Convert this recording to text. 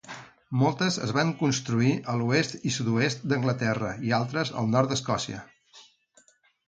Moltes es van construir a l'oest i sud-oest d'Anglaterra i altres al nord d'Escòcia.